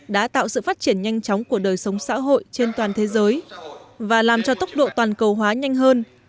đã tạo sự phát triển nhanh chóng của đời sống xã hội trên toàn thế giới và làm cho tốc độ toàn cầu hóa nhanh hơn